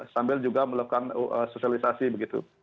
sambil juga melakukan sosialisasi begitu